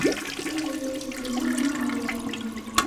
Эйе, тик уны ғына аяр инем.